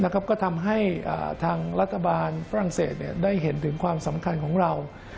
ก็ทำให้ทางรัฐบาลฝรั่งเศสได้เห็นถึงความสำคัญของเรา